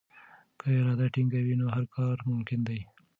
که اراده ټینګه وي نو هر کار ممکن دی.